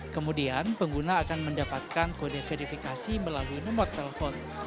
kemudian pengguna akan mendapatkan kode verifikasi melalui nomor telepon